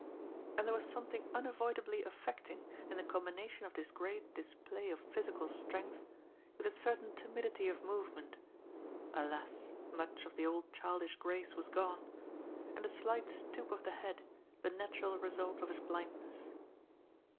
And there was something unavoidably affecting in the combination of this great dis play of physical strength with a certain timidity of move ment — alas, much of the old childish grace was gone !— and a slight stoop of the head, the natural results of his blind ness.